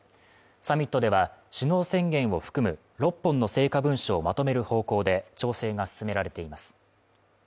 サミットでは、首脳宣言を含む６本の成果文書をまとめる方向で調整が進められています。